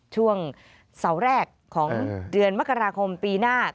ช่วงเสาร์แรกของเดือนมกราคมปีหน้า